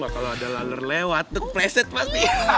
kalo ada laler lewat tukpleset pasti